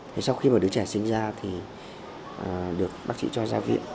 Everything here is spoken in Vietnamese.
thì sau khi mà đứa trẻ sinh ra thì được bác chị cho ra viện